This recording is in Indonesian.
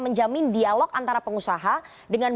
menjamin dialog antara pengusaha dengan